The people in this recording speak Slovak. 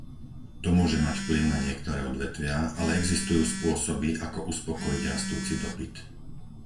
To môže mať vplyv na niektoré odvetvia, ale existujú spôsoby, ako uspokojiť rastúci dopyt.